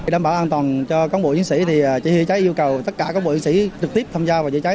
đảm bảo an toàn cho cán bộ chiến sĩ thì chữa cháy yêu cầu tất cả cán bộ chiến sĩ trực tiếp tham gia vào chữa cháy